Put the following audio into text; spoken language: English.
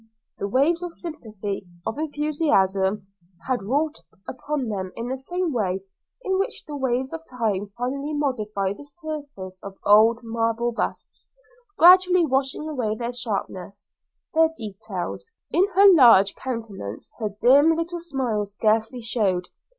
The waves of sympathy, of enthusiasm, had wrought upon them in the same way in which the waves of time finally modify the surface of old marble busts, gradually washing away their sharpness, their details. In her large countenance her dim little smile scarcely showed.